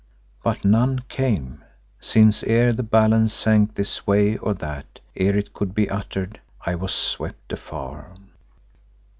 But none came, since ere the balance sank this way or that, ere it could be uttered, I was swept afar.